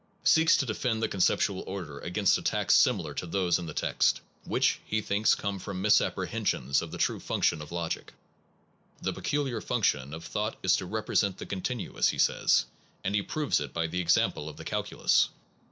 (1910), seeks to defend the conceptual order against attacks similar to those in the text, which, he thinks, come from misapprehen sions of the true function of logic. The peculiar function of thought is to represent the continuous, he says, and he proves it by the exam ple of the calculus.